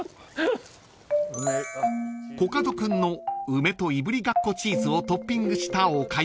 ［コカド君の梅といぶりがっこチーズをトッピングしたおかゆも来ました］